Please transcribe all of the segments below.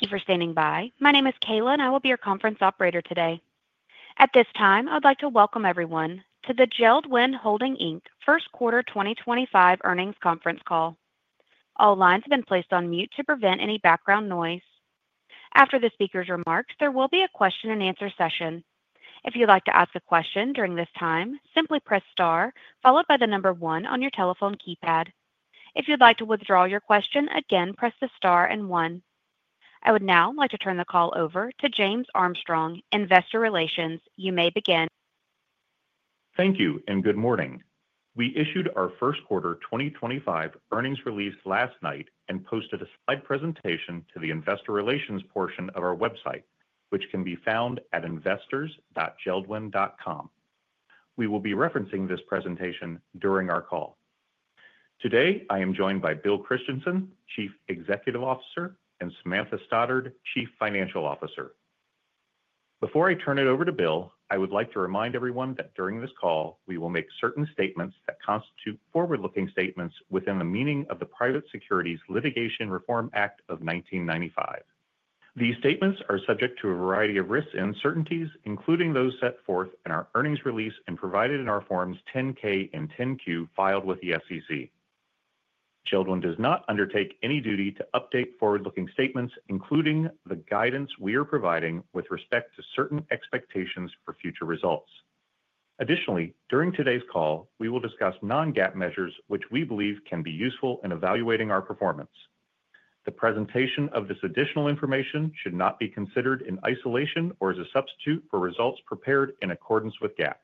Thank you for standing by. My name is Kayla, and I will be your conference operator today. At this time, I'd like to welcome everyone to the JELD-WEN Holding First Quarter 2025 earnings conference call. All lines have been placed on mute to prevent any background noise. After the speaker's remarks, there will be a question-and-answer session. If you'd like to ask a question during this time, simply press star followed by the number one on your telephone keypad. If you'd like to withdraw your question, again, press the star and one. I would now like to turn the call over to James Armstrong, Investor Relations. You may begin. Thank you and good morning. We issued our First Quarter 2025 earnings release last night and posted a slide presentation to the Investor Relations portion of our website, which can be found at investors.jeldwen.com. We will be referencing this presentation during our call. Today, I am joined by Bill Christensen, Chief Executive Officer, and Samantha Stoddard, Chief Financial Officer. Before I turn it over to Bill, I would like to remind everyone that during this call, we will make certain statements that constitute forward-looking statements within the meaning of the Private Securities Litigation Reform Act of 1995. These statements are subject to a variety of risks and uncertainties, including those set forth in our earnings release and provided in our Forms 10-K and 10-Q filed with the SEC. JELD-WEN does not undertake any duty to update forward-looking statements, including the guidance we are providing with respect to certain expectations for future results. Additionally, during today's call, we will discuss non-GAAP measures, which we believe can be useful in evaluating our performance. The presentation of this additional information should not be considered in isolation or as a substitute for results prepared in accordance with GAAP.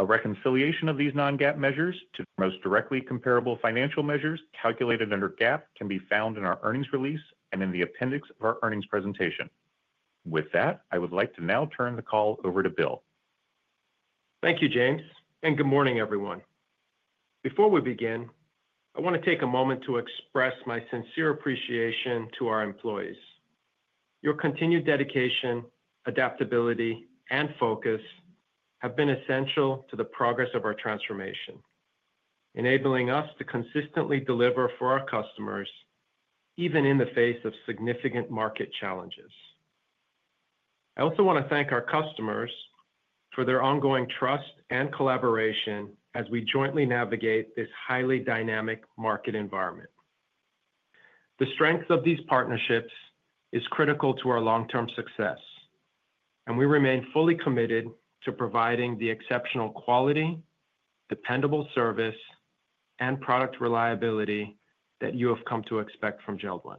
A reconciliation of these non-GAAP measures to the most directly comparable financial measures calculated under GAAP can be found in our earnings release and in the appendix of our earnings presentation. With that, I would like to now turn the call over to Bill. Thank you, James, and good morning, everyone. Before we begin, I want to take a moment to express my sincere appreciation to our employees. Your continued dedication, adaptability, and focus have been essential to the progress of our transformation, enabling us to consistently deliver for our customers even in the face of significant market challenges. I also want to thank our customers for their ongoing trust and collaboration as we jointly navigate this highly dynamic market environment. The strength of these partnerships is critical to our long-term success, and we remain fully committed to providing the exceptional quality, dependable service, and product reliability that you have come to expect from JELD-WEN.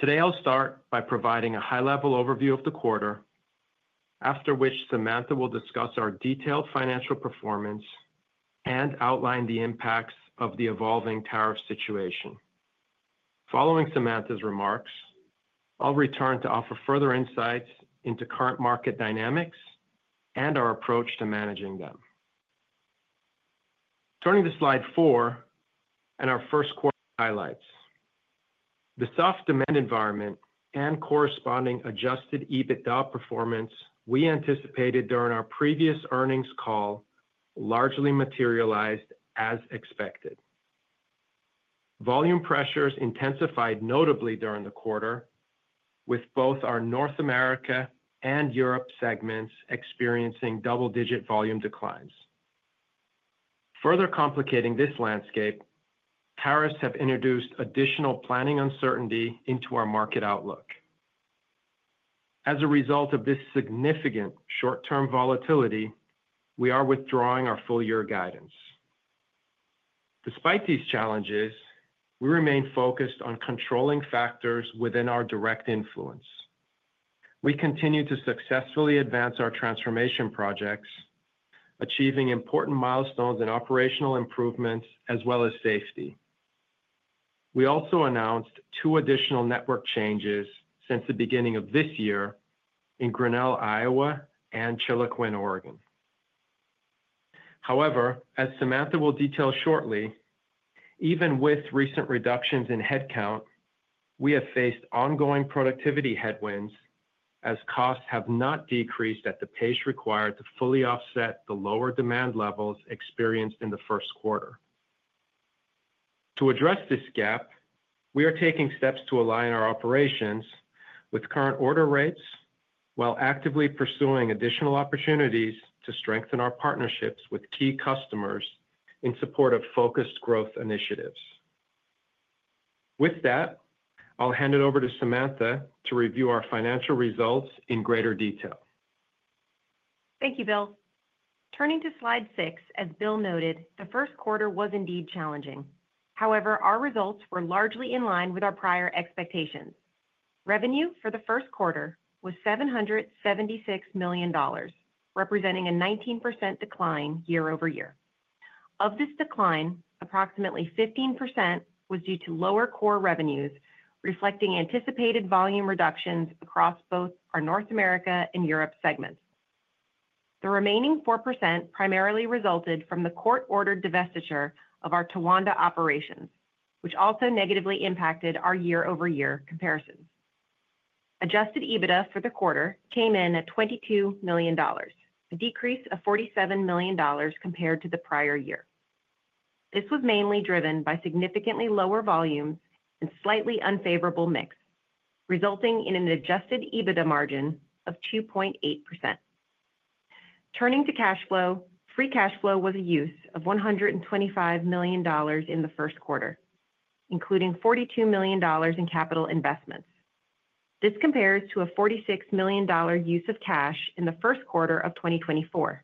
Today, I'll start by providing a high-level overview of the quarter, after which Samantha will discuss our detailed financial performance and outline the impacts of the evolving tariff situation. Following Samantha's remarks, I'll return to offer further insights into current market dynamics and our approach to managing them. Turning to slide four and our first quarter highlights, the soft demand environment and corresponding adjusted EBITDA performance we anticipated during our previous earnings call largely materialized as expected. Volume pressures intensified notably during the quarter, with both our North America and Europe segments experiencing double-digit volume declines. Further complicating this landscape, tariffs have introduced additional planning uncertainty into our market outlook. As a result of this significant short-term volatility, we are withdrawing our full-year guidance. Despite these challenges, we remain focused on controlling factors within our direct influence. We continue to successfully advance our transformation projects, achieving important milestones in operational improvements as well as safety. We also announced two additional network changes since the beginning of this year in Grinnell, Iowa, and Chiloquin, Oregon. However, as Samantha will detail shortly, even with recent reductions in headcount, we have faced ongoing productivity headwinds as costs have not decreased at the pace required to fully offset the lower demand levels experienced in the first quarter. To address this gap, we are taking steps to align our operations with current order rates while actively pursuing additional opportunities to strengthen our partnerships with key customers in support of focused growth initiatives. With that, I'll hand it over to Samantha to review our financial results in greater detail. Thank you, Bill. Turning to slide six, as Bill noted, the first quarter was indeed challenging. However, our results were largely in line with our prior expectations. Revenue for the first quarter was $776 million, representing a 19% decline year over year. Of this decline, approximately 15% was due to lower core revenues reflecting anticipated volume reductions across both our North America and Europe segments. The remaining 4% primarily resulted from the court-ordered divestiture of our Towanda operations, which also negatively impacted our year-over-year comparisons. Adjusted EBITDA for the quarter came in at $22 million, a decrease of $47 million compared to the prior year. This was mainly driven by significantly lower volumes and slightly unfavorable mix, resulting in an adjusted EBITDA margin of 2.8%. Turning to cash flow, free cash flow was a use of $125 million in the first quarter, including $42 million in capital investments. This compares to a $46 million use of cash in the first quarter of 2024.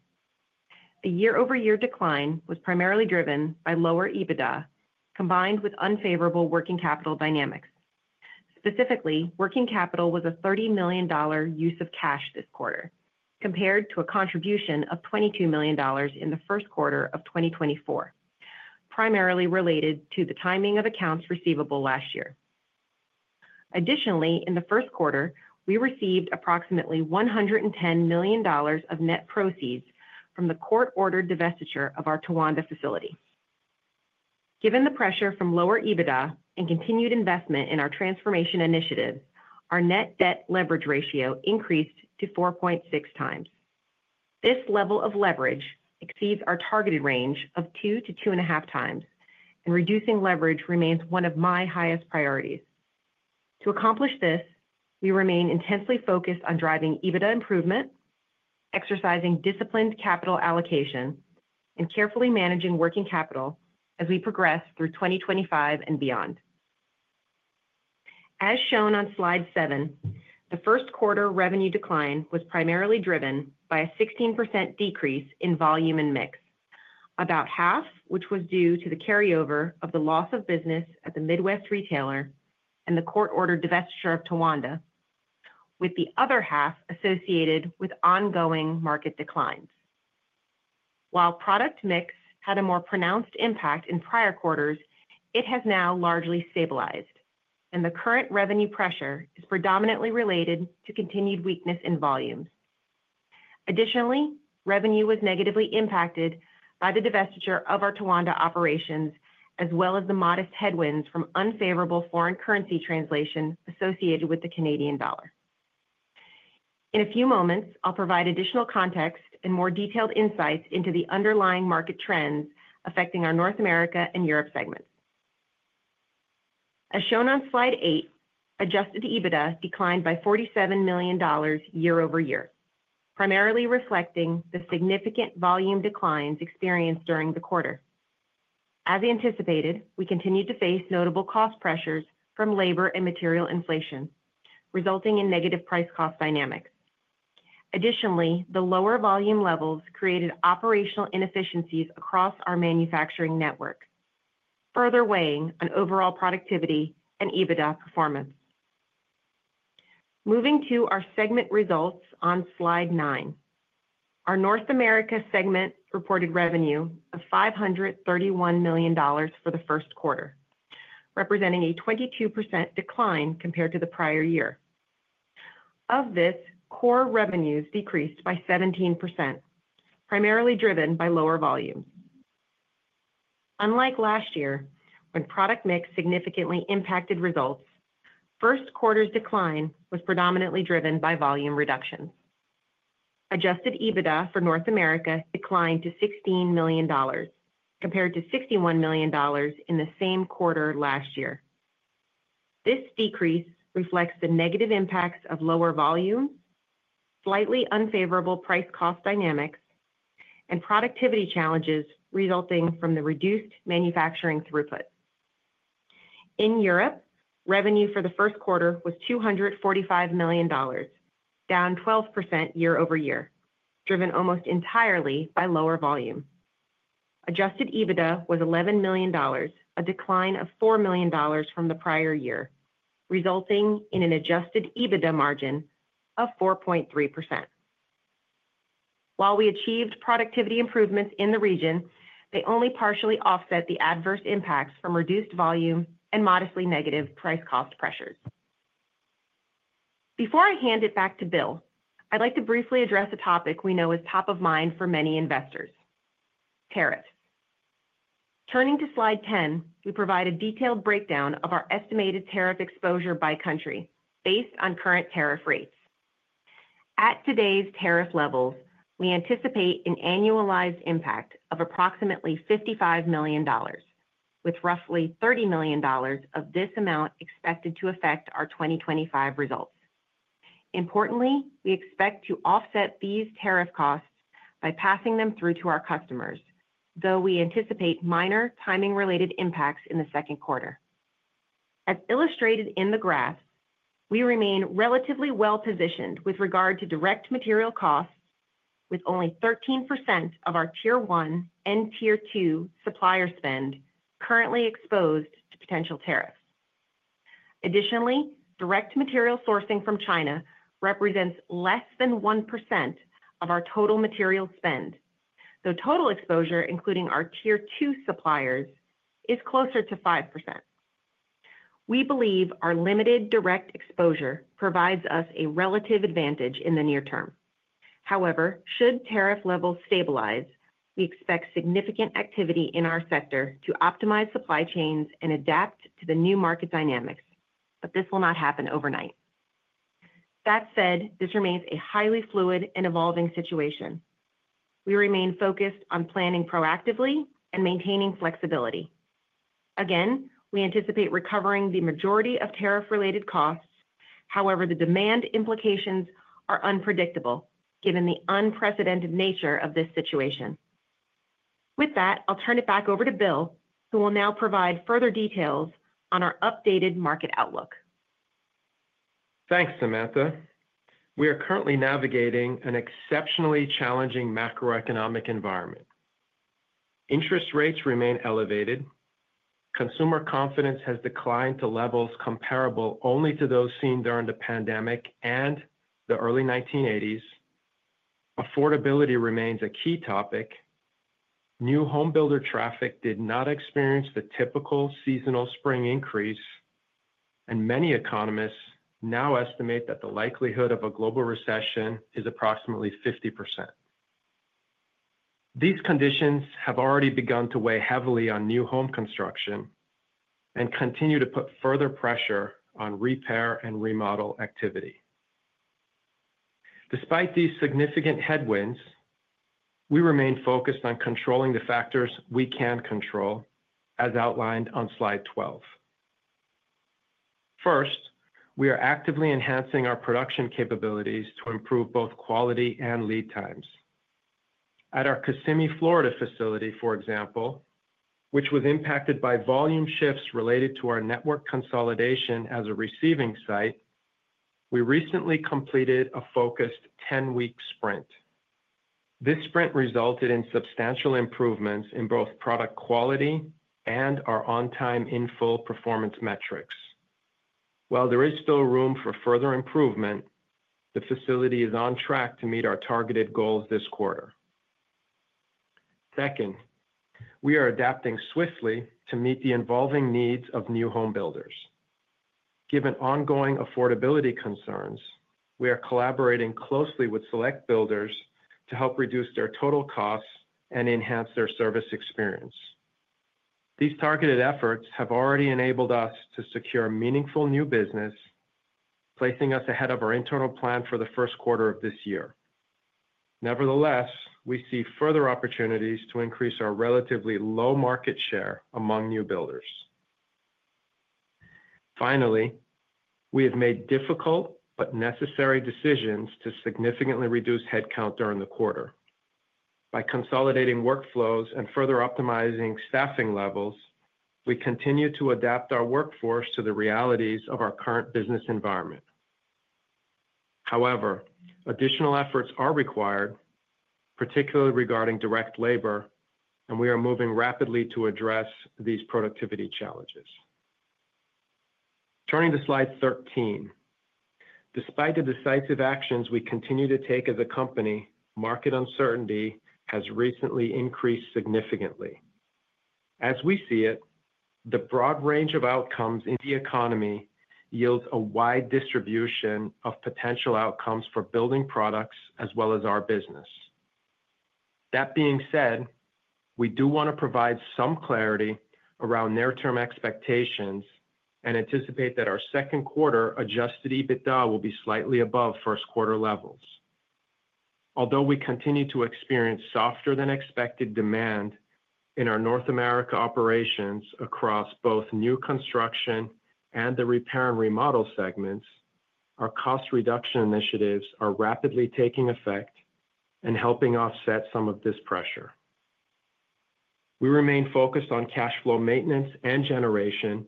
The year-over-year decline was primarily driven by lower EBITDA combined with unfavorable working capital dynamics. Specifically, working capital was a $30 million use of cash this quarter, compared to a contribution of $22 million in the first quarter of 2024, primarily related to the timing of accounts receivable last year. Additionally, in the first quarter, we received approximately $110 million of net proceeds from the court-ordered divestiture of our Towanda facility. Given the pressure from lower EBITDA and continued investment in our transformation initiatives, our net debt leverage ratio increased to 4.6 times. This level of leverage exceeds our targeted range of 2-2.5 times, and reducing leverage remains one of my highest priorities. To accomplish this, we remain intensely focused on driving EBITDA improvement, exercising disciplined capital allocation, and carefully managing working capital as we progress through 2025 and beyond. As shown on slide seven, the first quarter revenue decline was primarily driven by a 16% decrease in volume and mix, about half of which was due to the carryover of the loss of business at the Midwest retailer and the court-ordered divestiture of Towanda, with the other half associated with ongoing market declines. While product mix had a more pronounced impact in prior quarters, it has now largely stabilized, and the current revenue pressure is predominantly related to continued weakness in volumes. Additionally, revenue was negatively impacted by the divestiture of our Towanda operations, as well as the modest headwinds from unfavorable foreign currency translation associated with the Canadian dollar. In a few moments, I'll provide additional context and more detailed insights into the underlying market trends affecting our North America and Europe segments. As shown on slide eight, adjusted EBITDA declined by $47 million year over year, primarily reflecting the significant volume declines experienced during the quarter. As anticipated, we continued to face notable cost pressures from labor and material inflation, resulting in negative price cost dynamics. Additionally, the lower volume levels created operational inefficiencies across our manufacturing network, further weighing on overall productivity and EBITDA performance. Moving to our segment results on slide nine, our North America segment reported revenue of $531 million for the first quarter, representing a 22% decline compared to the prior year. Of this, core revenues decreased by 17%, primarily driven by lower volumes. Unlike last year, when product mix significantly impacted results, first quarter's decline was predominantly driven by volume reductions. Adjusted EBITDA for North America declined to $16 million, compared to $61 million in the same quarter last year. This decrease reflects the negative impacts of lower volumes, slightly unfavorable price cost dynamics, and productivity challenges resulting from the reduced manufacturing throughput. In Europe, revenue for the first quarter was $245 million, down 12% year over year, driven almost entirely by lower volume. Adjusted EBITDA was $11 million, a decline of $4 million from the prior year, resulting in an adjusted EBITDA margin of 4.3%. While we achieved productivity improvements in the region, they only partially offset the adverse impacts from reduced volume and modestly negative price cost pressures. Before I hand it back to Bill, I'd like to briefly address a topic we know is top of mind for many investors: tariffs. Turning to slide 10, we provide a detailed breakdown of our estimated tariff exposure by country based on current tariff rates. At today's tariff levels, we anticipate an annualized impact of approximately $55 million, with roughly $30 million of this amount expected to affect our 2025 results. Importantly, we expect to offset these tariff costs by passing them through to our customers, though we anticipate minor timing-related impacts in the second quarter. As illustrated in the graph, we remain relatively well-positioned with regard to direct material costs, with only 13% of our tier one and tier two supplier spend currently exposed to potential tariffs. Additionally, direct material sourcing from China represents less than 1% of our total material spend, though total exposure, including our tier two suppliers, is closer to 5%. We believe our limited direct exposure provides us a relative advantage in the near term. However, should tariff levels stabilize, we expect significant activity in our sector to optimize supply chains and adapt to the new market dynamics, but this will not happen overnight. That said, this remains a highly fluid and evolving situation. We remain focused on planning proactively and maintaining flexibility. Again, we anticipate recovering the majority of tariff-related costs; however, the demand implications are unpredictable given the unprecedented nature of this situation. With that, I'll turn it back over to Bill, who will now provide further details on our updated market outlook. Thanks, Samantha. We are currently navigating an exceptionally challenging macroeconomic environment. Interest rates remain elevated. Consumer confidence has declined to levels comparable only to those seen during the pandemic and the early 1980s. Affordability remains a key topic. New homebuilder traffic did not experience the typical seasonal spring increase, and many economists now estimate that the likelihood of a global recession is approximately 50%. These conditions have already begun to weigh heavily on new home construction and continue to put further pressure on repair and remodel activity. Despite these significant headwinds, we remain focused on controlling the factors we can control, as outlined on slide 12. First, we are actively enhancing our production capabilities to improve both quality and lead times. At our Kissimmee, Florida facility, for example, which was impacted by volume shifts related to our network consolidation as a receiving site, we recently completed a focused 10-week sprint. This sprint resulted in substantial improvements in both product quality and our on-time in-full performance metrics. While there is still room for further improvement, the facility is on track to meet our targeted goals this quarter. Second, we are adapting swiftly to meet the evolving needs of new homebuilders. Given ongoing affordability concerns, we are collaborating closely with select builders to help reduce their total costs and enhance their service experience. These targeted efforts have already enabled us to secure meaningful new business, placing us ahead of our internal plan for the first quarter of this year. Nevertheless, we see further opportunities to increase our relatively low market share among new builders. Finally, we have made difficult but necessary decisions to significantly reduce headcount during the quarter. By consolidating workflows and further optimizing staffing levels, we continue to adapt our workforce to the realities of our current business environment. However, additional efforts are required, particularly regarding direct labor, and we are moving rapidly to address these productivity challenges. Turning to slide 13, despite the decisive actions we continue to take as a company, market uncertainty has recently increased significantly. As we see it, the broad range of outcomes in the economy yields a wide distribution of potential outcomes for building products as well as our business. That being said, we do want to provide some clarity around near-term expectations and anticipate that our second quarter adjusted EBITDA will be slightly above first quarter levels. Although we continue to experience softer-than-expected demand in our North America operations across both new construction and the repair and remodel segments, our cost reduction initiatives are rapidly taking effect and helping offset some of this pressure. We remain focused on cash flow maintenance and generation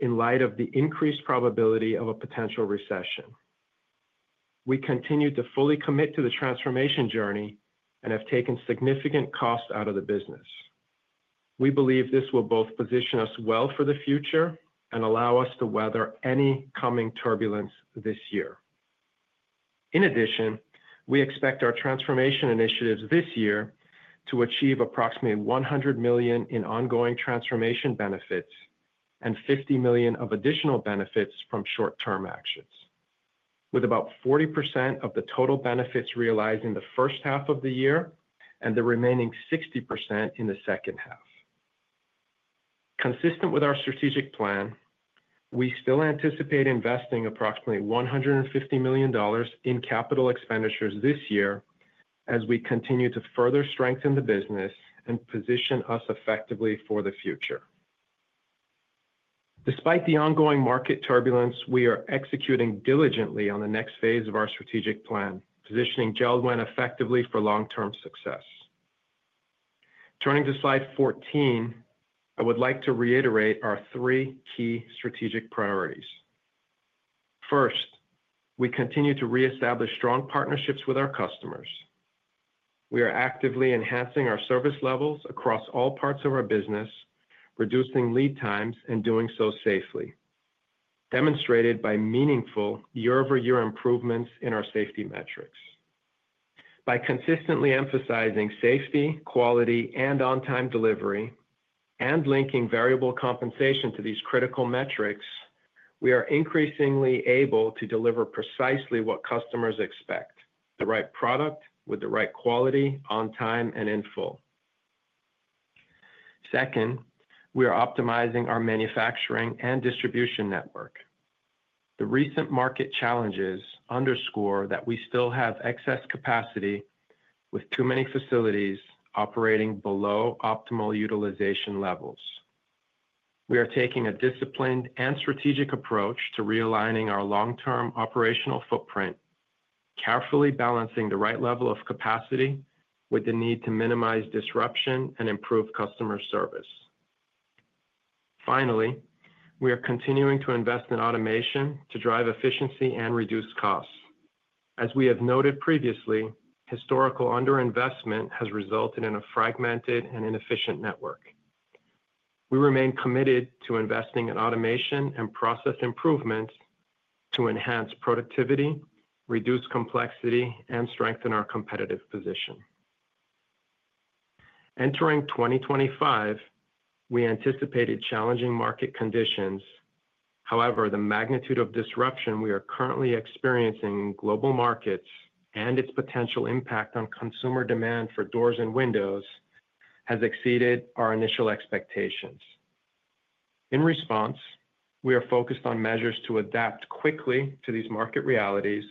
in light of the increased probability of a potential recession. We continue to fully commit to the transformation journey and have taken significant costs out of the business. We believe this will both position us well for the future and allow us to weather any coming turbulence this year. In addition, we expect our transformation initiatives this year to achieve approximately $100 million in ongoing transformation benefits and $50 million of additional benefits from short-term actions, with about 40% of the total benefits realized in the first half of the year and the remaining 60% in the second half. Consistent with our strategic plan, we still anticipate investing approximately $150 million in capital expenditures this year as we continue to further strengthen the business and position us effectively for the future. Despite the ongoing market turbulence, we are executing diligently on the next phase of our strategic plan, positioning JELD-WEN effectively for long-term success. Turning to slide 14, I would like to reiterate our three key strategic priorities. First, we continue to reestablish strong partnerships with our customers. We are actively enhancing our service levels across all parts of our business, reducing lead times and doing so safely, demonstrated by meaningful year-over-year improvements in our safety metrics. By consistently emphasizing safety, quality, and on-time delivery, and linking variable compensation to these critical metrics, we are increasingly able to deliver precisely what customers expect: the right product with the right quality, on time, and in full. Second, we are optimizing our manufacturing and distribution network. The recent market challenges underscore that we still have excess capacity with too many facilities operating below optimal utilization levels. We are taking a disciplined and strategic approach to realigning our long-term operational footprint, carefully balancing the right level of capacity with the need to minimize disruption and improve customer service. Finally, we are continuing to invest in automation to drive efficiency and reduce costs. As we have noted previously, historical underinvestment has resulted in a fragmented and inefficient network. We remain committed to investing in automation and process improvements to enhance productivity, reduce complexity, and strengthen our competitive position. Entering 2025, we anticipated challenging market conditions. However, the magnitude of disruption we are currently experiencing in global markets and its potential impact on consumer demand for doors and windows has exceeded our initial expectations. In response, we are focused on measures to adapt quickly to these market realities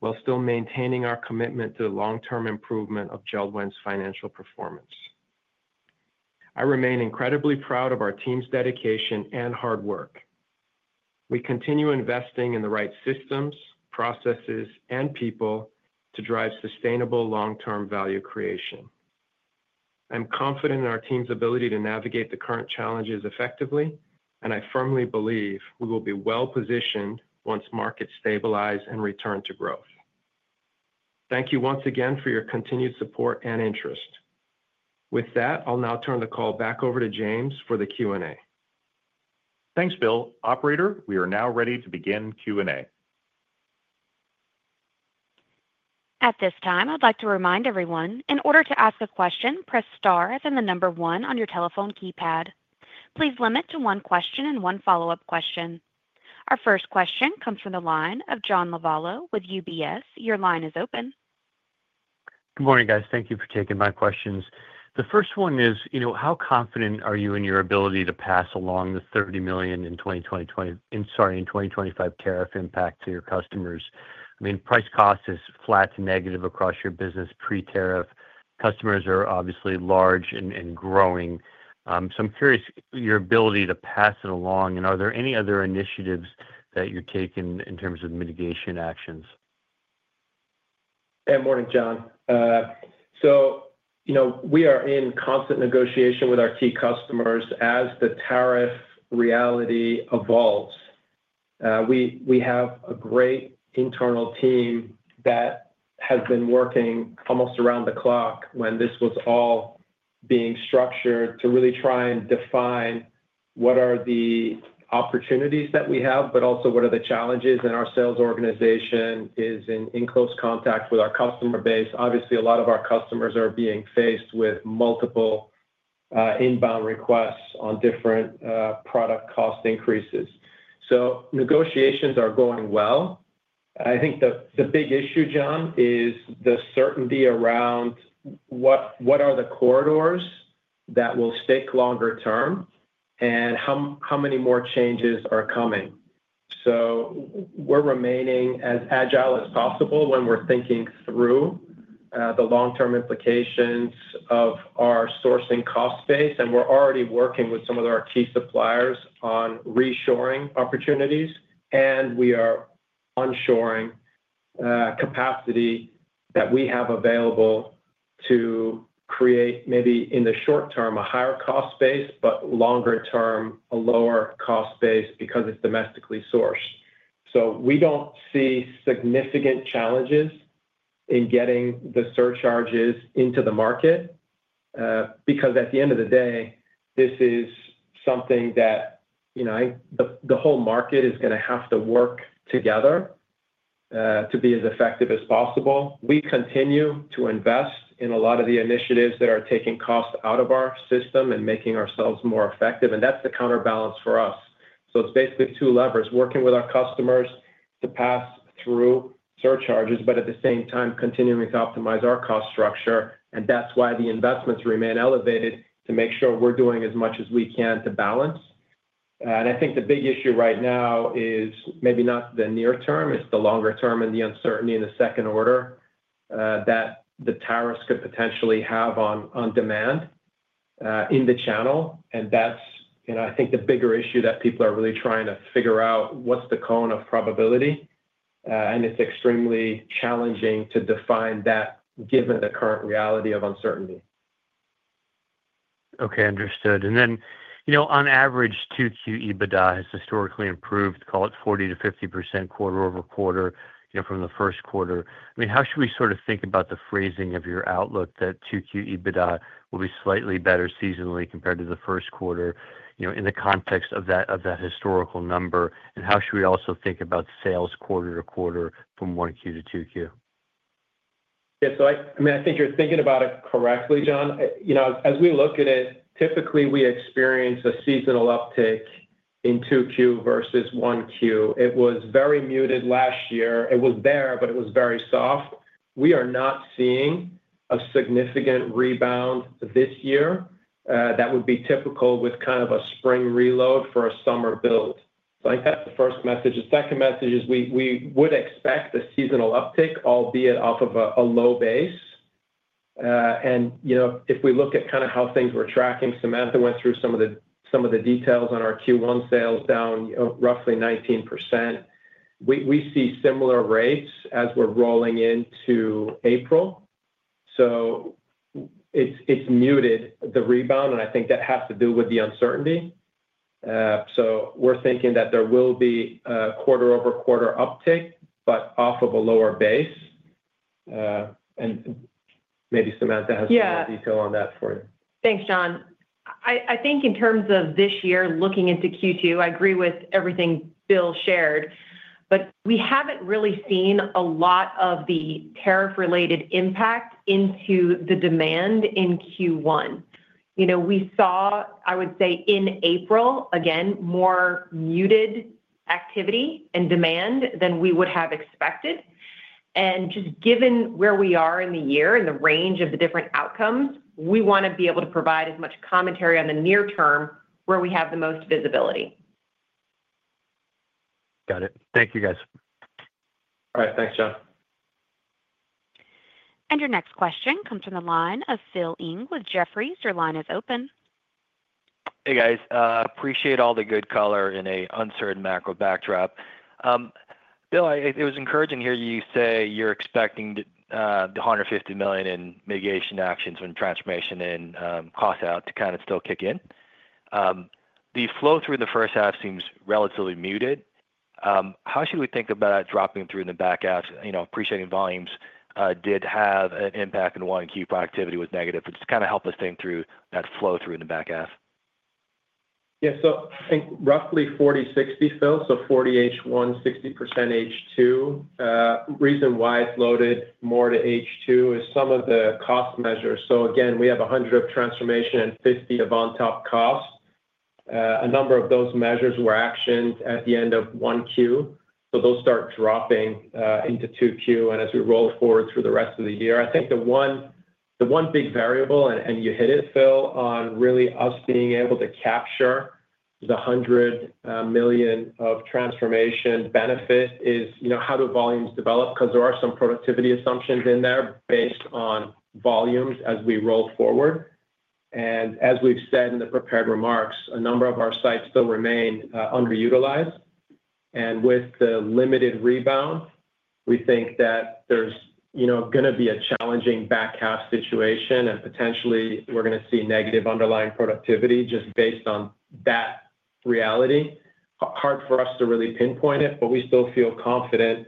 while still maintaining our commitment to the long-term improvement of JELD-WEN's financial performance. I remain incredibly proud of our team's dedication and hard work. We continue investing in the right systems, processes, and people to drive sustainable long-term value creation. I'm confident in our team's ability to navigate the current challenges effectively, and I firmly believe we will be well-positioned once markets stabilize and return to growth. Thank you once again for your continued support and interest. With that, I'll now turn the call back over to James for the Q&A. Thanks, Bill. Operator, we are now ready to begin Q&A. At this time, I'd like to remind everyone, in order to ask a question, press star as in the number one on your telephone keypad. Please limit to one question and one follow-up question. Our first question comes from the line of John Lovallo with UBS. Your line is open. Good morning, guys. Thank you for taking my questions. The first one is, how confident are you in your ability to pass along the $30 million in 2025 tariff impact to your customers? I mean, price cost is flat to negative across your business pre-tariff. Customers are obviously large and growing. I am curious your ability to pass it along, and are there any other initiatives that you are taking in terms of mitigation actions? Yeah. Morning, John. We are in constant negotiation with our key customers as the tariff reality evolves. We have a great internal team that has been working almost around the clock when this was all being structured to really try and define what are the opportunities that we have, but also what are the challenges. Our sales organization is in close contact with our customer base. Obviously, a lot of our customers are being faced with multiple inbound requests on different product cost increases. Negotiations are going well. I think the big issue, John, is the certainty around what are the corridors that will stick longer term and how many more changes are coming. We are remaining as agile as possible when we are thinking through the long-term implications of our sourcing cost base. We are already working with some of our key suppliers on reshoring opportunities, and we are onshoring capacity that we have available to create, maybe in the short term, a higher cost base, but longer term, a lower cost base because it is domestically sourced. We do not see significant challenges in getting the surcharges into the market because, at the end of the day, this is something that the whole market is going to have to work together to be as effective as possible. We continue to invest in a lot of the initiatives that are taking costs out of our system and making ourselves more effective, and that is the counterbalance for us. It is basically two levers: working with our customers to pass through surcharges, but at the same time, continuing to optimize our cost structure. That's why the investments remain elevated, to make sure we're doing as much as we can to balance. I think the big issue right now is maybe not the near term, it's the longer term and the uncertainty in the second order that the tariffs could potentially have on demand in the channel. I think the bigger issue that people are really trying to figure out is what's the cone of probability. It's extremely challenging to define that given the current reality of uncertainty. Okay. Understood. And then, on average, 2Q EBITDA has historically improved, call it 40-50% quarter over quarter from the first quarter. I mean, how should we sort of think about the phrasing of your outlook that 2Q EBITDA will be slightly better seasonally compared to the first quarter in the context of that historical number? And how should we also think about sales quarter to quarter from 1Q to 2Q? Yeah. So I mean, I think you're thinking about it correctly, John. As we look at it, typically, we experience a seasonal uptick in 2Q versus 1Q. It was very muted last year. It was there, but it was very soft. We are not seeing a significant rebound this year that would be typical with kind of a spring reload for a summer build. I think that's the first message. The second message is we would expect a seasonal uptick, albeit off of a low base. If we look at kind of how things were tracking, Samantha went through some of the details on our Q1 sales down roughly 19%. We see similar rates as we're rolling into April. It's muted, the rebound, and I think that has to do with the uncertainty. We're thinking that there will be a quarter over quarter uptick, but off of a lower base. Maybe Samantha has some more detail on that for you. Yeah. Thanks, John. I think in terms of this year looking into Q2, I agree with everything Bill shared, but we have not really seen a lot of the tariff-related impact into the demand in Q1. We saw, I would say, in April, again, more muted activity and demand than we would have expected. Just given where we are in the year and the range of the different outcomes, we want to be able to provide as much commentary on the near term where we have the most visibility. Got it. Thank you, guys. All right. Thanks, John. Your next question comes from the line of Philip Ng with Jefferies. Your line is open. Hey, guys. Appreciate all the good color in an uncertain macro backdrop. Bill, it was encouraging to hear you say you're expecting the $150 million in mitigation actions when transformation and costs out to kind of still kick in. The flow through the first half seems relatively muted. How should we think about dropping through in the back half? Appreciating volumes did have an impact in 1Q productivity was negative, but just kind of help us think through that flow through in the back half. Yeah. I think roughly 40/60, Phil. So 40 H1, 60% H2. The reason why it is loaded more to H2 is some of the cost measures. Again, we have 100 of transformation and 50 of on-top cost. A number of those measures were actioned at the end of 1Q, so those start dropping into 2Q and as we roll forward through the rest of the year. I think the one big variable, and you hit it, Phil, on really us being able to capture the $100 million of transformation benefit is how do volumes develop? Because there are some productivity assumptions in there based on volumes as we roll forward. As we said in the prepared remarks, a number of our sites still remain underutilized. With the limited rebound, we think that there's going to be a challenging back half situation, and potentially, we're going to see negative underlying productivity just based on that reality. Hard for us to really pinpoint it, but we still feel confident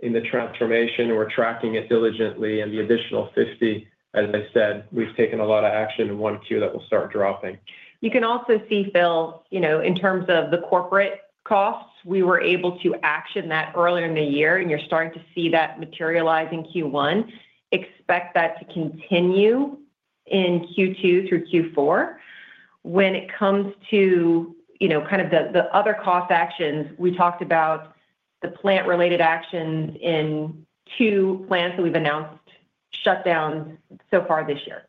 in the transformation. We're tracking it diligently. The additional 50, as I said, we've taken a lot of action in 1Q that will start dropping. You can also see, Phil, in terms of the corporate costs, we were able to action that earlier in the year, and you're starting to see that materialize in Q1. Expect that to continue in Q2 through Q4. When it comes to kind of the other cost actions, we talked about the plant-related actions in two plants that we've announced shutdowns so far this year.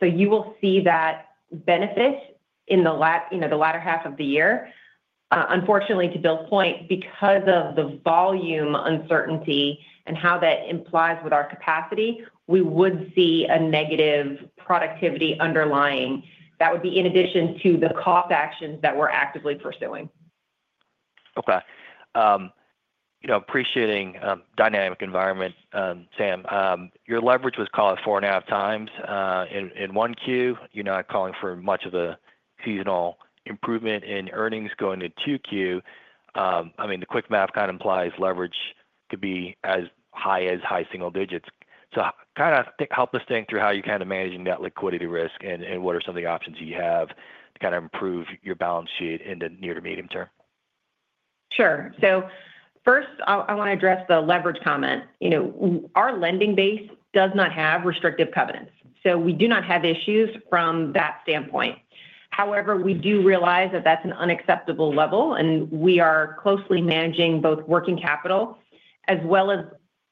You will see that benefit in the latter half of the year. Unfortunately, to Bill's point, because of the volume uncertainty and how that implies with our capacity, we would see a negative productivity underlying. That would be in addition to the cost actions that we're actively pursuing. Okay. Appreciating dynamic environment, Sam. Your leverage was called four and a half times in 1Q. You're not calling for much of a seasonal improvement in earnings going to 2Q. I mean, the quick math kind of implies leverage could be as high as high single digits. So kind of help us think through how you're kind of managing that liquidity risk and what are some of the options you have to kind of improve your balance sheet in the near to medium term? Sure. First, I want to address the leverage comment. Our lending base does not have restrictive covenants, so we do not have issues from that standpoint. However, we do realize that that is an unacceptable level, and we are closely managing both working capital as well as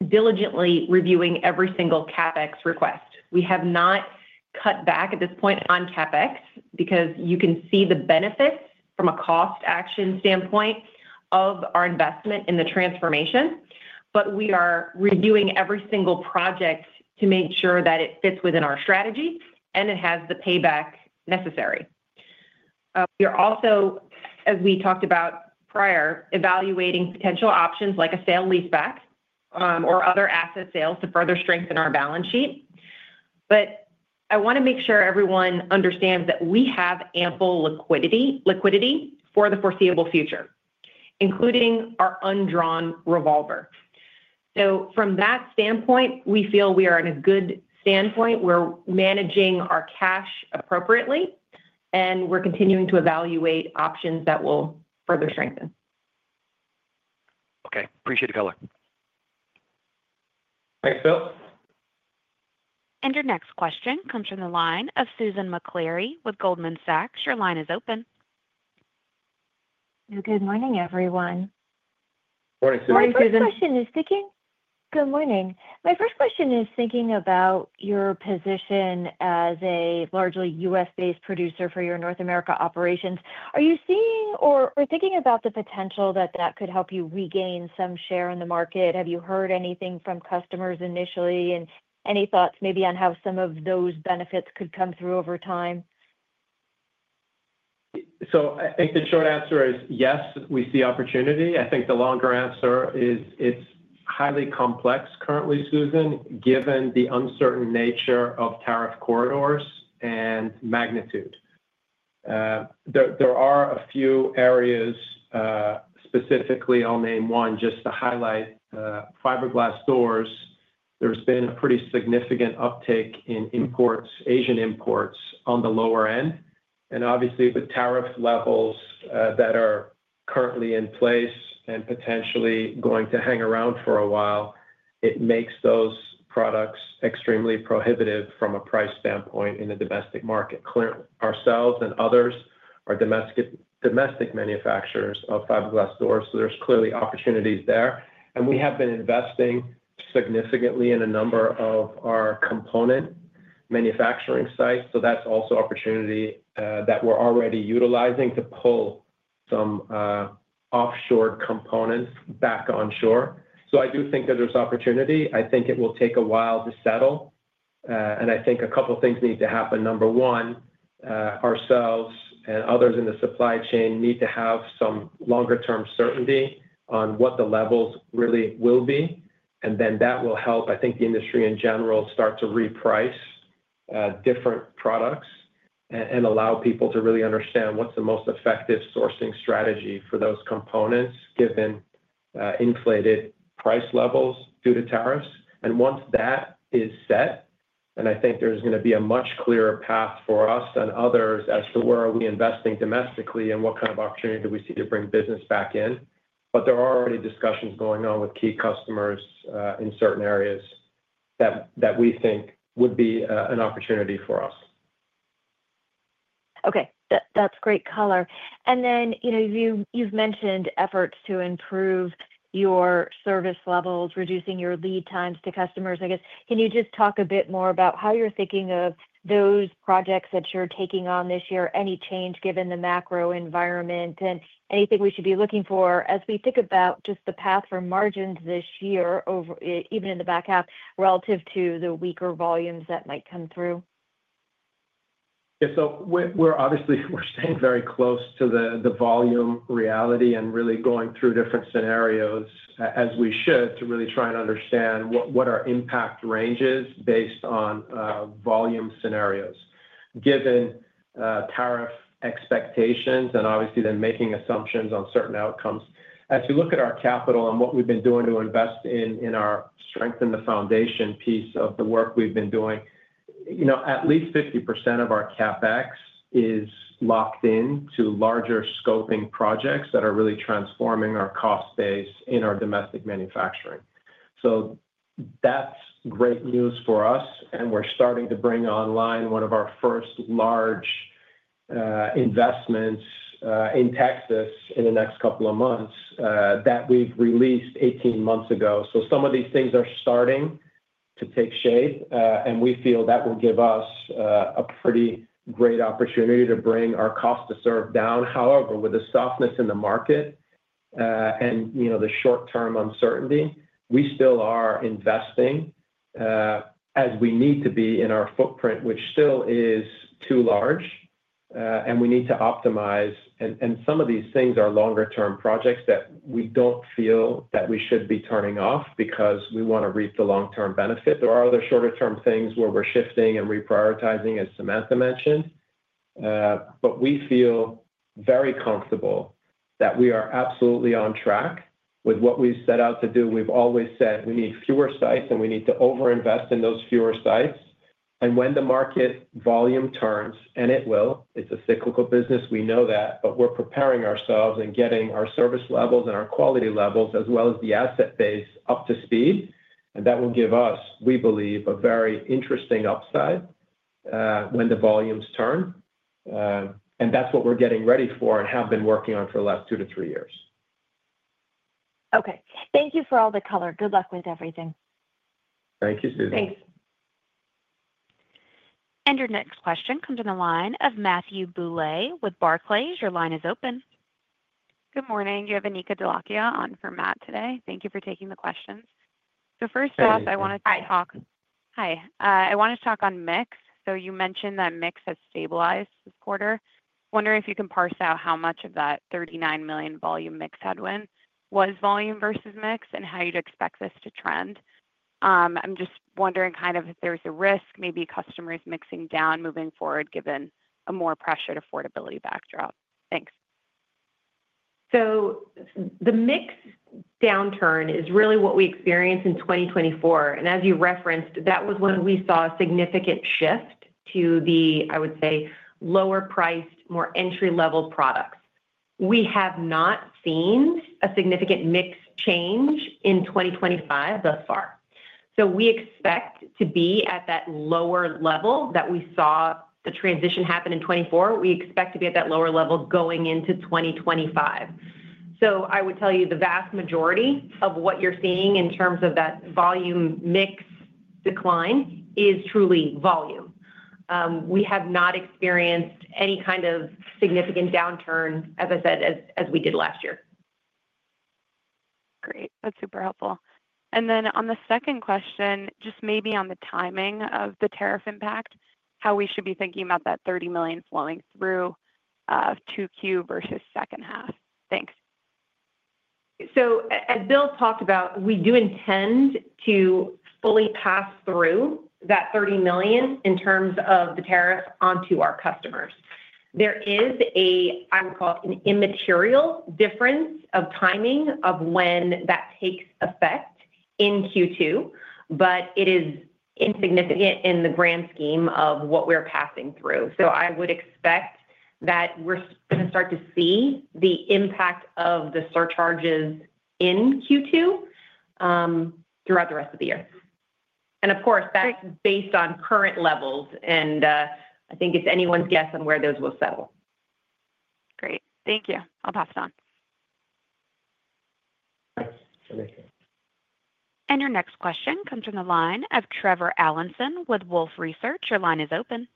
diligently reviewing every single CapEx request. We have not cut back at this point on CapEx because you can see the benefits from a cost action standpoint of our investment in the transformation, but we are reviewing every single project to make sure that it fits within our strategy and it has the payback necessary. We are also, as we talked about prior, evaluating potential options like a sale leaseback or other asset sales to further strengthen our balance sheet. I want to make sure everyone understands that we have ample liquidity for the foreseeable future, including our undrawn revolver. From that standpoint, we feel we are in a good standpoint. We're managing our cash appropriately, and we're continuing to evaluate options that will further strengthen. Okay. Appreciate the color. Thanks, Phil. Your next question comes from the line of Susan McClary with Goldman Sachs. Your line is open. Good morning, everyone. Morning, Susan. Morning, Susan. My first question is thinking about your position as a largely U.S.-based producer for your North America operations. Are you seeing or thinking about the potential that that could help you regain some share in the market? Have you heard anything from customers initially and any thoughts maybe on how some of those benefits could come through over time? I think the short answer is yes, we see opportunity. I think the longer answer is it's highly complex currently, Susan, given the uncertain nature of tariff corridors and magnitude. There are a few areas. Specifically, I'll name one just to highlight. Fiberglass doors, there's been a pretty significant uptake in Asian imports on the lower end. Obviously, with tariff levels that are currently in place and potentially going to hang around for a while, it makes those products extremely prohibitive from a price standpoint in the domestic market. Clearly, ourselves and others are domestic manufacturers of fiberglass doors, so there's clearly opportunities there. We have been investing significantly in a number of our component manufacturing sites. That's also opportunity that we're already utilizing to pull some offshore components back onshore. I do think that there's opportunity. I think it will take a while to settle, and I think a couple of things need to happen. Number one, ourselves and others in the supply chain need to have some longer-term certainty on what the levels really will be. That will help, I think, the industry in general start to reprice different products and allow people to really understand what's the most effective sourcing strategy for those components given inflated price levels due to tariffs. Once that is set, I think there's going to be a much clearer path for us than others as to where are we investing domestically and what kind of opportunity do we see to bring business back in. There are already discussions going on with key customers in certain areas that we think would be an opportunity for us. Okay. That's great color. You mentioned efforts to improve your service levels, reducing your lead times to customers. I guess, can you just talk a bit more about how you're thinking of those projects that you're taking on this year? Any change given the macro environment and anything we should be looking for as we think about just the path for margins this year, even in the back half, relative to the weaker volumes that might come through? Yeah. Obviously, we're staying very close to the volume reality and really going through different scenarios as we should to really try and understand what our impact range is based on volume scenarios given tariff expectations and obviously then making assumptions on certain outcomes. As we look at our capital and what we've been doing to invest in our strengthen the foundation piece of the work we've been doing, at least 50% of our CapEx is locked into larger scoping projects that are really transforming our cost base in our domestic manufacturing. That's great news for us, and we're starting to bring online one of our first large investments in Texas in the next couple of months that we released 18 months ago. Some of these things are starting to take shape, and we feel that will give us a pretty great opportunity to bring our cost to serve down. However, with the softness in the market and the short-term uncertainty, we still are investing as we need to be in our footprint, which still is too large, and we need to optimize. Some of these things are longer-term projects that we do not feel that we should be turning off because we want to reap the long-term benefit. There are other shorter-term things where we are shifting and reprioritizing, as Samantha mentioned, but we feel very comfortable that we are absolutely on track with what we have set out to do. We have always said we need fewer sites, and we need to overinvest in those fewer sites. When the market volume turns, and it will, it's a cyclical business, we know that, but we're preparing ourselves and getting our service levels and our quality levels as well as the asset base up to speed. That will give us, we believe, a very interesting upside when the volumes turn. That's what we're getting ready for and have been working on for the last two to three years. Okay. Thank you for all the color. Good luck with everything. Thank you, Susan. Thanks. Your next question comes from the line of Matthew Buhle with Barclays. Your line is open. Good morning. Do you have Anika Dholakia on for Matt today? Thank you for taking the questions. First off, I wanted to talk. Hi. Hi. I wanted to talk on mix. You mentioned that mix has stabilized this quarter. Wondering if you can parse out how much of that $39 million volume mix headwind was volume versus mix and how you'd expect this to trend. I'm just wondering if there's a risk, maybe customers mixing down moving forward given a more pressured affordability backdrop. Thanks. The mix downturn is really what we experienced in 2024. As you referenced, that was when we saw a significant shift to the, I would say, lower-priced, more entry-level products. We have not seen a significant mix change in 2025 thus far. We expect to be at that lower level that we saw the transition happen in 2024. We expect to be at that lower level going into 2025. I would tell you the vast majority of what you are seeing in terms of that volume mix decline is truly volume. We have not experienced any kind of significant downturn, as I said, as we did last year. Great. That's super helpful. On the second question, just maybe on the timing of the tariff impact, how we should be thinking about that $30 million flowing through 2Q versus second half. Thanks. As Bill talked about, we do intend to fully pass through that $30 million in terms of the tariff onto our customers. There is a, I would call it, an immaterial difference of timing of when that takes effect in Q2, but it is insignificant in the grand scheme of what we are passing through. I would expect that we are going to start to see the impact of the surcharges in Q2 throughout the rest of the year. Of course, that is based on current levels, and I think it is anyone's guess on where those will settle. Great. Thank you. I'll pass it on. Your next question comes from the line of Trevor Allenson with Wolfe Research. Your line is open.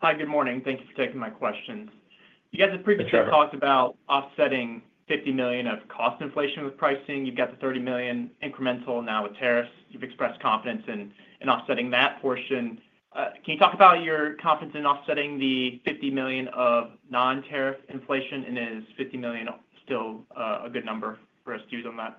Hi. Good morning. Thank you for taking my questions. You guys have previously talked about offsetting $50 million of cost inflation with pricing. You've got the $30 million incremental now with tariffs. You've expressed confidence in offsetting that portion. Can you talk about your confidence in offsetting the $50 million of non-tariff inflation? Is $50 million still a good number for us to use on that?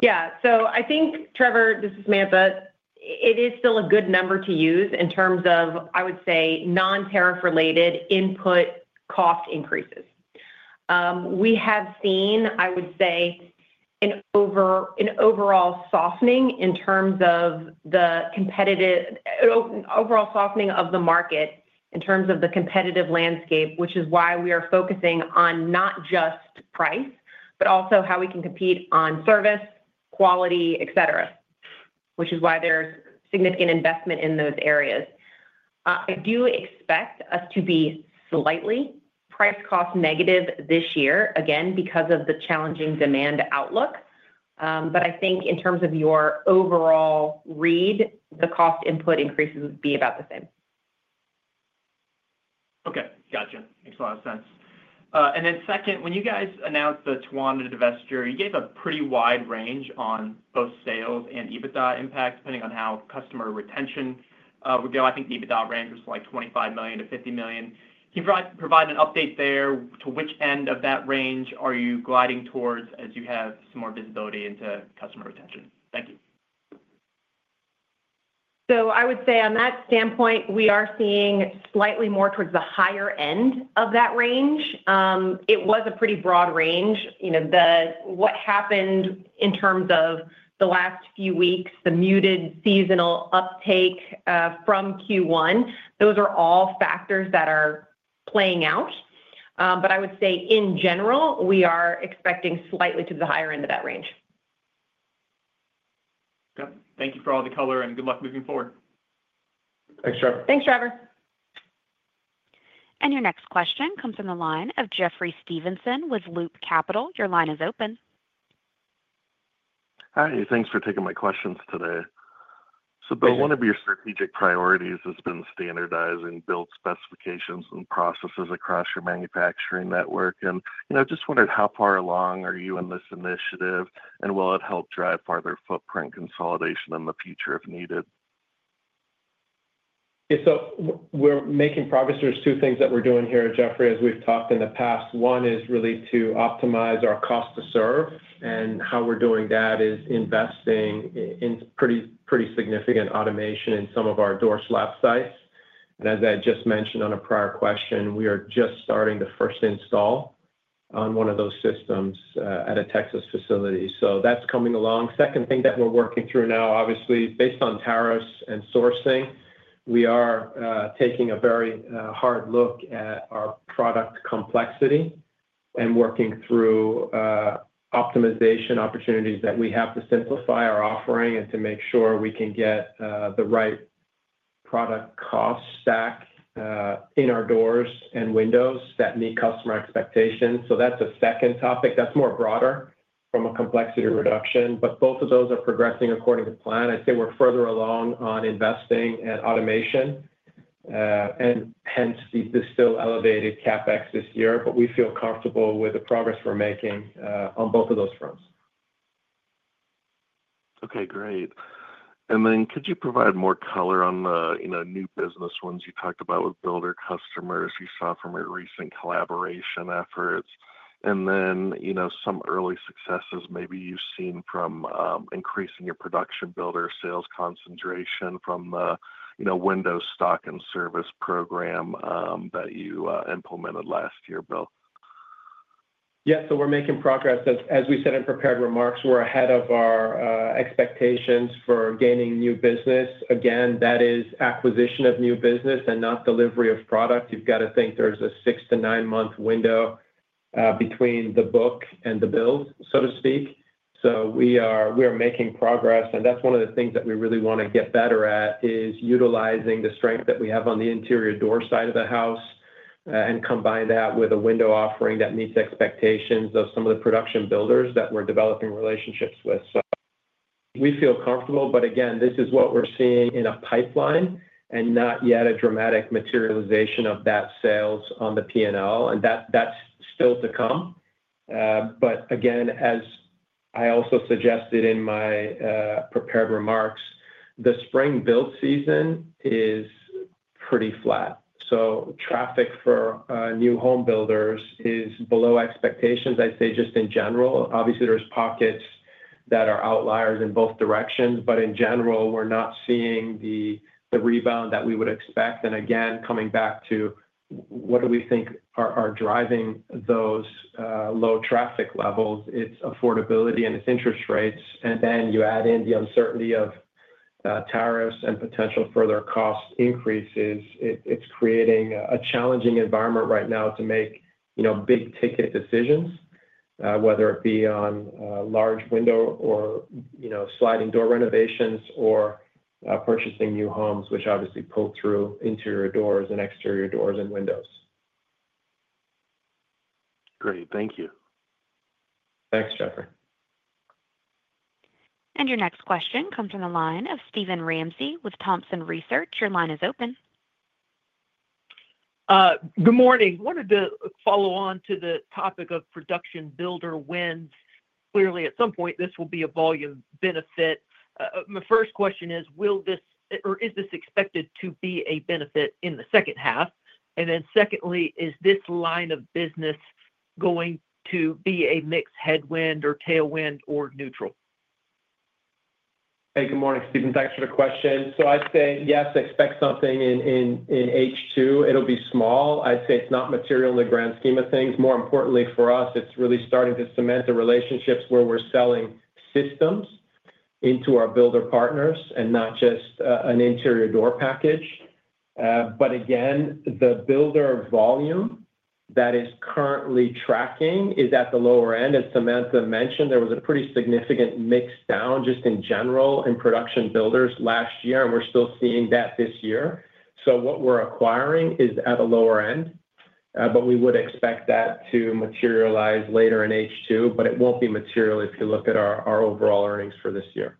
Yeah. I think, Trevor, this is Samantha. It is still a good number to use in terms of, I would say, non-tariff-related input cost increases. We have seen, I would say, an overall softening in terms of the competitive overall softening of the market in terms of the competitive landscape, which is why we are focusing on not just price, but also how we can compete on service, quality, etc., which is why there is significant investment in those areas. I do expect us to be slightly price-cost negative this year, again, because of the challenging demand outlook. I think in terms of your overall read, the cost input increases would be about the same. Okay. Gotcha. Makes a lot of sense. Then second, when you guys announced the Towanda divestiture, you gave a pretty wide range on both sales and EBITDA impact depending on how customer retention would go. I think the EBITDA range was like $25 million-$50 million. Can you provide an update there to which end of that range are you gliding towards as you have some more visibility into customer retention? Thank you. I would say on that standpoint, we are seeing slightly more towards the higher end of that range. It was a pretty broad range. What happened in terms of the last few weeks, the muted seasonal uptake from Q1, those are all factors that are playing out. I would say, in general, we are expecting slightly to the higher end of that range. Yep. Thank you for all the color and good luck moving forward. Thanks, Trevor. Thanks, Trevor. Your next question comes from the line of Jeffrey Stevenson with Loop Capital. Your line is open. Hi. Thanks for taking my questions today. Bill, one of your strategic priorities has been standardizing build specifications and processes across your manufacturing network. I just wondered how far along are you in this initiative, and will it help drive farther footprint consolidation in the future if needed? Yeah. So we're making progress. There are two things that we're doing here, Jeffrey, as we've talked in the past. One is really to optimize our cost to serve. How we're doing that is investing in pretty significant automation in some of our door slab sites. As I just mentioned on a prior question, we are just starting the first install on one of those systems at a Texas facility. That's coming along. The second thing that we're working through now, obviously, based on tariffs and sourcing, we are taking a very hard look at our product complexity and working through optimization opportunities that we have to simplify our offering and to make sure we can get the right product cost stack in our doors and windows that meet customer expectations. That's a second topic. That's more broad from a complexity reduction. Both of those are progressing according to plan. I'd say we're further along on investing in automation, and hence, the still elevated CapEx this year. We feel comfortable with the progress we're making on both of those fronts. Okay. Great. Could you provide more color on the new business ones you talked about with builder customers you saw from your recent collaboration efforts? Some early successes maybe you've seen from increasing your production builder sales concentration from the window stock and service program that you implemented last year, Bill? Yeah. So we're making progress. As we said in prepared remarks, we're ahead of our expectations for gaining new business. Again, that is acquisition of new business and not delivery of product. You've got to think there's a six- to nine-month window between the book and the build, so to speak. We are making progress. That's one of the things that we really want to get better at is utilizing the strength that we have on the interior door side of the house and combine that with a window offering that meets expectations of some of the production builders that we're developing relationships with. We feel comfortable. Again, this is what we're seeing in a pipeline and not yet a dramatic materialization of that sales on the P&L. That's still to come. As I also suggested in my prepared remarks, the spring build season is pretty flat. Traffic for new home builders is below expectations, I'd say, just in general. Obviously, there are pockets that are outliers in both directions. In general, we're not seeing the rebound that we would expect. Coming back to what do we think are driving those low traffic levels, it's affordability and it's interest rates. Then you add in the uncertainty of tariffs and potential further cost increases. It's creating a challenging environment right now to make big ticket decisions, whether it be on large window or sliding door renovations or purchasing new homes, which obviously pull through interior doors and exterior doors and windows. Great. Thank you. Thanks, Jeffrey. Your next question comes from the line of Steven Ramsey with Thompson Research. Your line is open. Good morning. Wanted to follow on to the topic of production builder wins. Clearly, at some point, this will be a volume benefit. My first question is, will this or is this expected to be a benefit in the second half? Then secondly, is this line of business going to be a mixed headwind or tailwind or neutral? Hey, good morning, Steven. Thanks for the question. I'd say, yes, expect something in H2. It'll be small. I'd say it's not material in the grand scheme of things. More importantly for us, it's really starting to cement the relationships where we're selling systems into our builder partners and not just an interior door package. Again, the builder volume that is currently tracking is at the lower end. As Samantha mentioned, there was a pretty significant mixdown just in general in production builders last year, and we're still seeing that this year. What we're acquiring is at a lower end, but we would expect that to materialize later in H2. It won't be material if you look at our overall earnings for this year.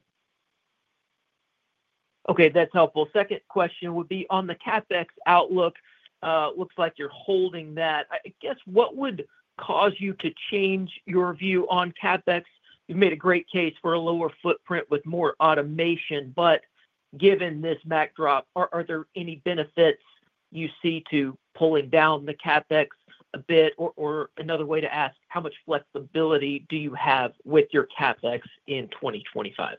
Okay. That's helpful. Second question would be on the CapEx outlook. Looks like you're holding that. I guess, what would cause you to change your view on CapEx? You've made a great case for a lower footprint with more automation. Given this backdrop, are there any benefits you see to pulling down the CapEx a bit? Or another way to ask, how much flexibility do you have with your CapEx in 2025?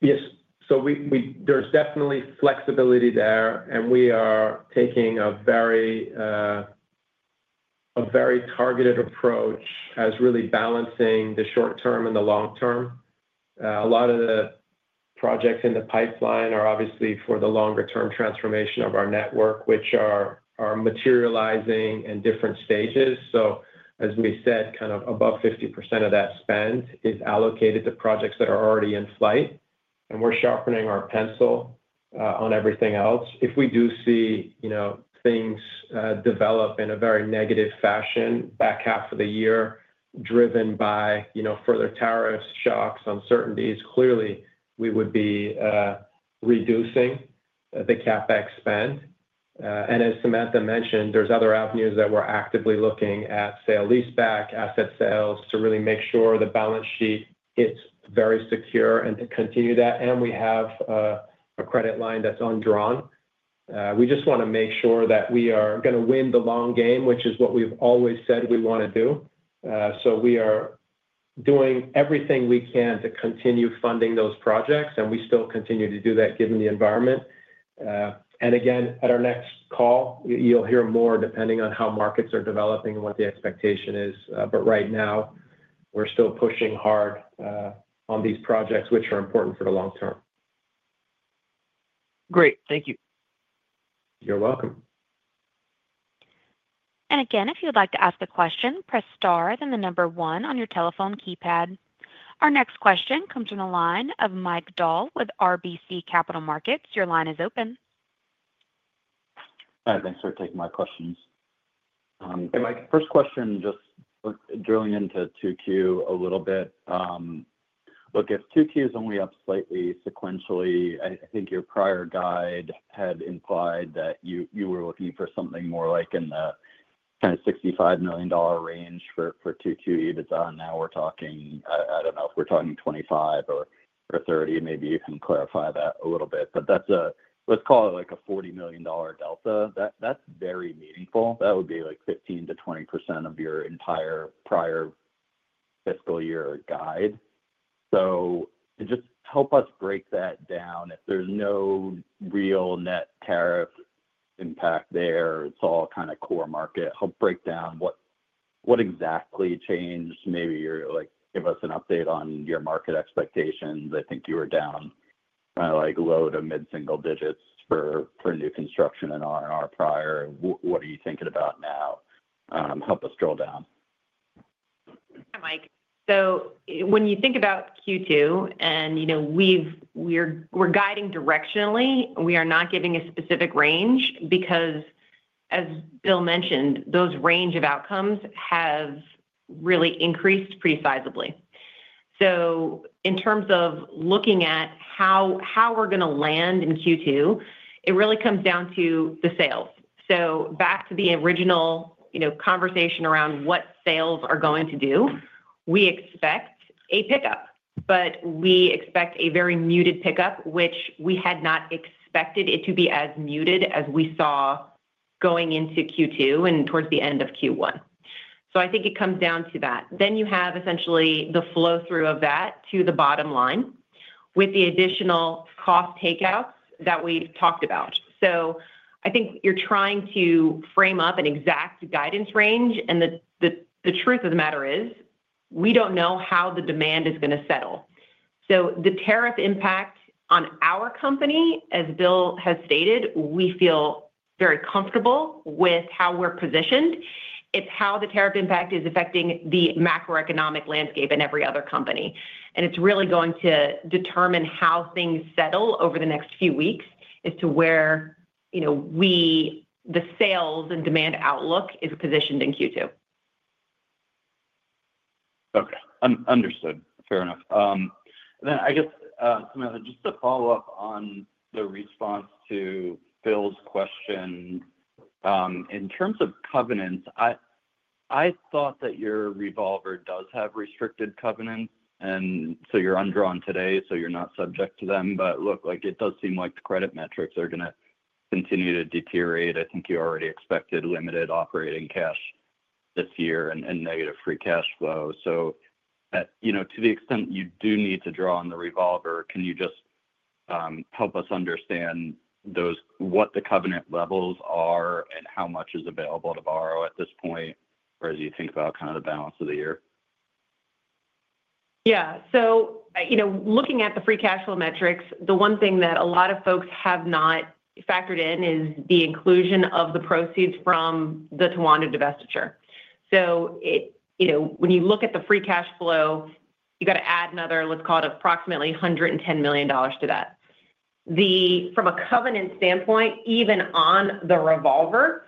Yes. There is definitely flexibility there. We are taking a very targeted approach as really balancing the short term and the long term. A lot of the projects in the pipeline are obviously for the longer-term transformation of our network, which are materializing in different stages. As we said, kind of above 50% of that spend is allocated to projects that are already in flight. We are sharpening our pencil on everything else. If we do see things develop in a very negative fashion back half of the year driven by further tariffs, shocks, uncertainties, clearly, we would be reducing the CapEx spend. As Samantha mentioned, there are other avenues that we are actively looking at, say, a leaseback, asset sales, to really make sure the balance sheet is very secure and to continue that. We have a credit line that is undrawn. We just want to make sure that we are going to win the long game, which is what we've always said we want to do. We are doing everything we can to continue funding those projects. We still continue to do that given the environment. At our next call, you'll hear more depending on how markets are developing and what the expectation is. Right now, we're still pushing hard on these projects, which are important for the long term. Great. Thank you. You're welcome. If you'd like to ask a question, press star then the number one on your telephone keypad. Our next question comes from the line of Mike Dahl with RBC Capital Markets. Your line is open. Hi. Thanks for taking my questions. Hey, Mike. First question, just drilling into 2Q a little bit. Look, if 2Q is only up slightly sequentially, I think your prior guide had implied that you were looking for something more like in the kind of $65 million range for 2Q EBITDA. Now we're talking I don't know if we're talking 25 or 30. Maybe you can clarify that a little bit. But let's call it like a $40 million delta. That's very meaningful. That would be like 15%-20% of your entire prior fiscal year guide. Just help us break that down. If there's no real net tariff impact there, it's all kind of core market. Help break down what exactly changed. Maybe give us an update on your market expectations. I think you were down kind of like low to mid-single digits for new construction and R&R prior. What are you thinking about now? Help us drill down. Hi, Mike. When you think about Q2, and we're guiding directionally, we are not giving a specific range because, as Bill mentioned, those range of outcomes have really increased precisely. In terms of looking at how we're going to land in Q2, it really comes down to the sales. Back to the original conversation around what sales are going to do, we expect a pickup. We expect a very muted pickup, which we had not expected it to be as muted as we saw going into Q2 and towards the end of Q1. I think it comes down to that. You have essentially the flow-through of that to the bottom line with the additional cost takeouts that we've talked about. I think you're trying to frame up an exact guidance range. The truth of the matter is we don't know how the demand is going to settle. The tariff impact on our company, as Bill has stated, we feel very comfortable with how we're positioned. It's how the tariff impact is affecting the macroeconomic landscape in every other company. It's really going to determine how things settle over the next few weeks as to where the sales and demand outlook is positioned in Q2. Okay. Understood. Fair enough. I guess, Samantha, just to follow up on the response to Bill's question, in terms of covenants, I thought that your revolver does have restricted covenants. You are undrawn today, so you are not subject to them. It does seem like the credit metrics are going to continue to deteriorate. I think you already expected limited operating cash this year and negative free cash flow. To the extent you do need to draw on the revolver, can you just help us understand what the covenant levels are and how much is available to borrow at this point? As you think about kind of the balance of the year? Yeah. Looking at the free cash flow metrics, the one thing that a lot of folks have not factored in is the inclusion of the proceeds from the Towanda divestiture. When you look at the free cash flow, you got to add another, let's call it approximately $110 million to that. From a covenant standpoint, even on the revolver,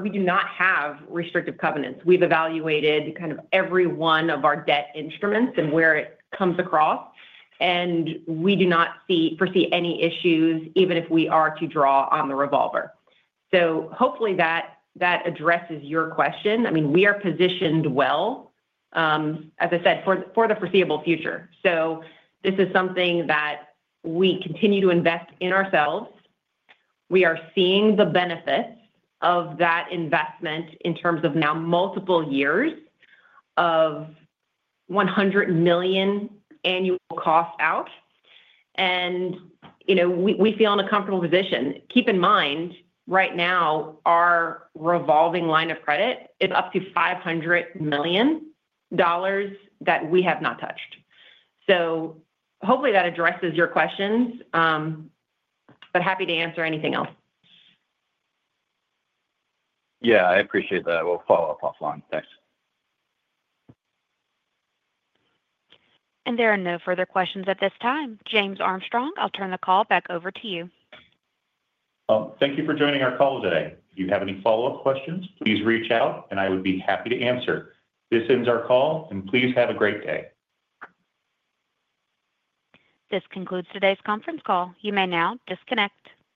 we do not have restrictive covenants. We've evaluated kind of every one of our debt instruments and where it comes across. We do not foresee any issues even if we are to draw on the revolver. Hopefully that addresses your question. I mean, we are positioned well, as I said, for the foreseeable future. This is something that we continue to invest in ourselves. We are seeing the benefits of that investment in terms of now multiple years of $100 million annual cost out. We feel in a comfortable position. Keep in mind, right now, our revolving line of credit is up to $500 million that we have not touched. Hopefully that addresses your questions. Happy to answer anything else. Yeah. I appreciate that. We'll follow up offline. Thanks. There are no further questions at this time. James Armstrong, I'll turn the call back over to you. Thank you for joining our call today. If you have any follow-up questions, please reach out, and I would be happy to answer. This ends our call, and please have a great day. This concludes today's conference call. You may now disconnect.